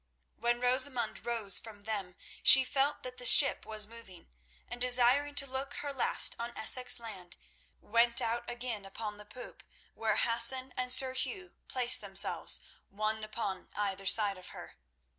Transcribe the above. When Rosamund rose from them she felt that the ship was moving, and, desiring to look her last on Essex land, went out again upon the poop, where Hassan and Sir Hugh placed themselves, one upon either side of her.